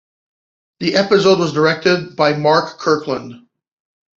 The episode was directed by Mark Kirkland.